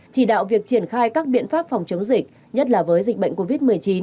chỉ đạo việc triển khai các biện pháp phòng chống dịch nhất là với dịch bệnh covid một mươi chín